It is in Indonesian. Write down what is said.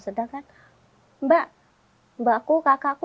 sedangkan mbakku kakakku